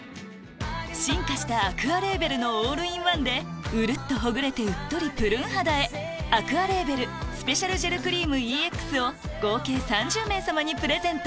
進化したアクアレーベルのオールインワンでうるっとほぐれてうっとりぷるん肌へアクアレーベルスペシャルジェルクリームＥＸを合計３０名さまにプレゼント